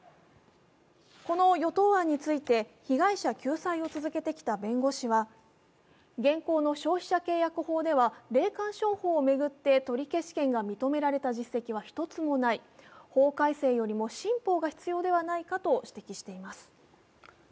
この与党案について、被害者救済を続けてきた弁護士は、現行の消費者契約法では霊感商法を巡って取り消し権が認められた実績は１つもない法改正よりも新法が必要ではないかと指摘しています。